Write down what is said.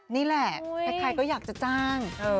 นี่แหละใครก็อยากจะจ้าง